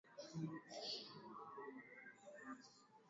Nyumba ya mwalimu ilichomwa